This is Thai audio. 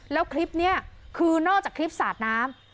แล้วคลิปนี้คือนอกจากคลิปสาดน้ำ